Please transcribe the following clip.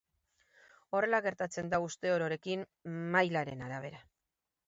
Horrela gertatzen da uste ororekin, mailaren arabera.